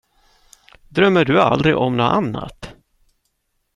Drömmer du aldrig om nåt annat?